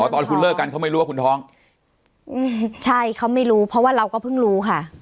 ตอนคุณเลิกกันเขาไม่รู้ว่าคุณท้องอืมใช่เขาไม่รู้เพราะว่าเราก็เพิ่งรู้ค่ะ